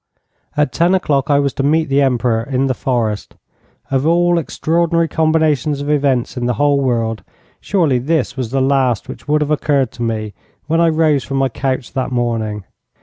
At ten o'clock I was to meet the Emperor in the forest. Of all extraordinary combinations of events in the whole world, surely this was the last which would have occurred to me when I rose from my couch that morning.